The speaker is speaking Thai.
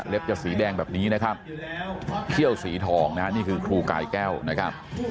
จะสีแดงแบบนี้นะครับเขี้ยวสีทองนะฮะนี่คือครูกายแก้วนะครับ